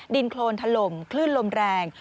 ดินโครนถล่มคลื่นลมแรง